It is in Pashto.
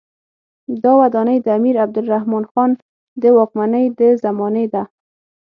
دا ودانۍ د امیر عبدالرحمن خان د واکمنۍ د زمانې ده.